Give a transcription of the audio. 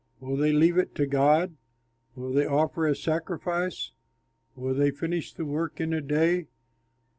Will they leave it to God? Will they offer a sacrifice? Will they finish the work in a day?